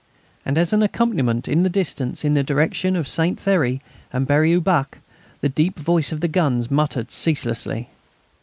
And as an accompaniment in the distance, in the direction of Saint Thierry and Berry au Bac, the deep voice of the guns muttered ceaselessly.